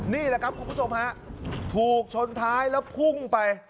นี่แหละครับคุณผู้ชมฮะถูกชนท้ายแล้วพุ่งไป